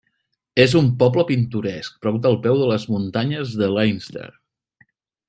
És un poble pintoresc prop del peu de les Muntanyes de Leinster.